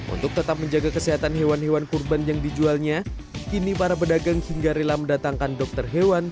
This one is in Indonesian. untuk tetap menjaga kesehatan hewan hewan kurban yang dijualnya kini para pedagang hingga rela mendatangkan dokter hewan